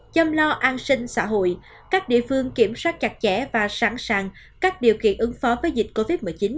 chăm lo an sinh xã hội các địa phương kiểm soát chặt chẽ và sẵn sàng các điều kiện ứng phó với dịch covid một mươi chín